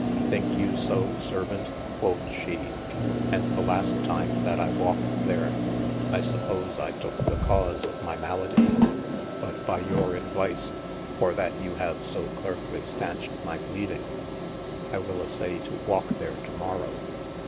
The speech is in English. Think you so servaunt (quod she ?) and the last tyme that I walked there, I suppose I toke the cause of my malady : but by your advise (for that you have so clerkly steynched my bleeding) I will assay to walke there to morow.